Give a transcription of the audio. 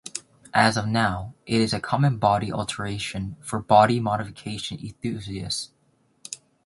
As of now, it is a common body alteration for body modification enthusiasts.